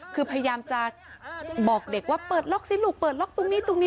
คือพยายามจะบอกเด็กว่าเปิดล็อกสิลูกเปิดล็อกตรงนี้ตรงนี้